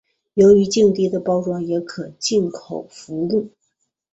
用于静滴的包装也可经口服用。